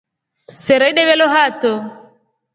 Sera ideve lo hatro.